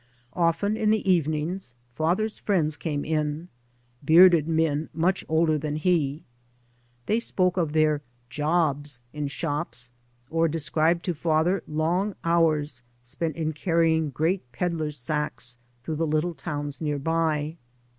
Often in the evenings father's friends came in, bearded men much older than he. They spoke of their " jobs " in shops, or described to father long hours spent in carrying great pedlars' sacks through the little towns nearby.